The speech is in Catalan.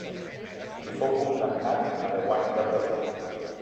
Hi fou condemnat a deu anys de presó.